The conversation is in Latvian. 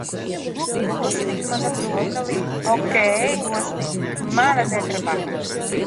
Gosniņ, mana brūnaliņa... Okei, gosniņ, mana tetrapaka!